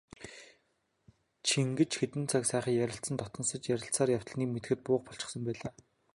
Чингэж хэдэн цаг сайхан ярилцан дотносож ярилцсаар явтал нэг мэдэхэд буух болчихсон байлаа.